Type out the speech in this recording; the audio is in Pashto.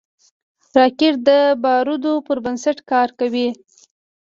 راکټ د بارودو پر بنسټ کار کوي